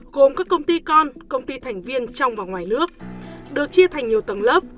gồm các công ty con công ty thành viên trong và ngoài nước được chia thành nhiều tầng lớp